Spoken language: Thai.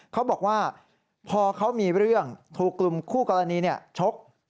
เขาบอกว่าพอเขามีเรื่องถูกกลุ่มคู่กรณีชก